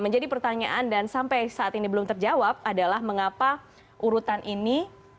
jadi pertanyaan dan sampai saat ini belum terjawab adalah mengapa urutan ini